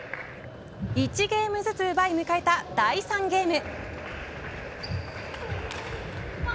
１ゲームずつ奪い迎えた第３ゲーム。